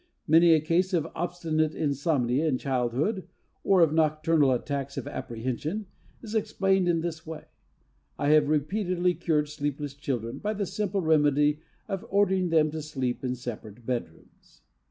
Many a case of obstinate insomnia in childhood or of nocturnal attacks of apprehension is explained in this way. I have repeatedly cured sleepless children by the simple remedy of ordering them to sleep in separate bedrooms.